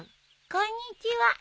こんにちは。